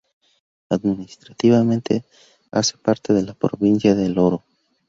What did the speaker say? Administrativamente hace parte de la provincia de El Oro.